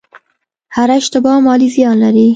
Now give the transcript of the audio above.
هره اشتباه مالي زیان لري.